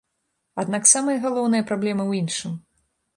Аднак самая галоўная праблема ў іншым.